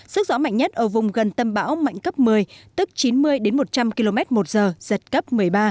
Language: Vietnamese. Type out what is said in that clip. sức gió mạnh nhất ở vùng gần tâm bão mạnh cấp một mươi tức chín mươi đến một trăm linh km một giờ giật cấp một mươi ba